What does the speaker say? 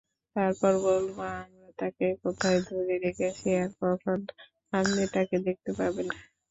তারপর বলবো আমরা তাকে কোথায় ধরে রেখেছি আর কখন আপনি তাকে দেখতে পাবেন।